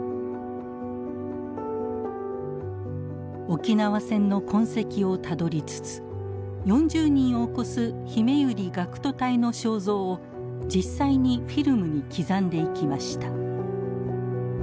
沖縄戦の痕跡をたどりつつ４０人を超す「ひめゆり学徒隊」の肖像を実際にフィルムに刻んでいきました。